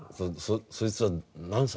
そいつは何歳？